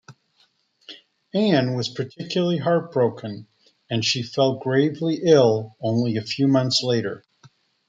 Anne was particularly heartbroken, and she fell gravely ill only a few months later.